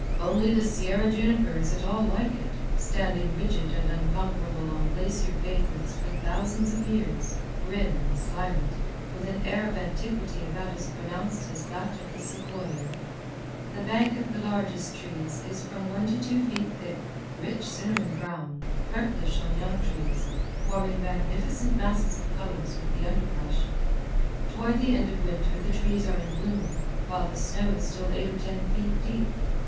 Only the Sierra juniper is at all like it, standing rigid and unconquerable on glacier pavements for thousands of years, grim and silent, with an air of antiquity about as pronounced as that of the sequoia. The bark of the largest trees is from one to two feet thick, rich cinnamon brown, purplish on young trees, forming magnificent masses of color with the underbrush. Toward the end of winter the trees are in bloom, while the snow is still eight or ten feet deep.